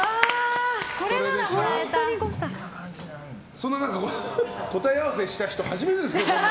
そんな答え合わせした人初めてですよ。